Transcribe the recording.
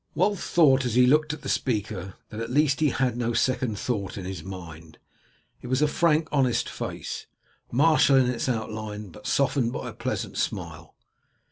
Wulf thought as he looked at the speaker that at least he had no second thought in his mind. It was a frank honest face, martial in its outline, but softened by a pleasant smile.